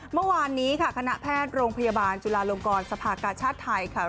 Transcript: เมื่อวานนี้คณะแพทย์โรงพยาบาลจุฬาลงกรสภาคาชาธิภรรยาชไทย